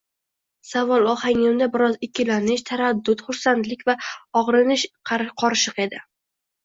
savol ohangimda biroz ikkilanish, taraddud, xursandlik va og`rinish qorishiq edi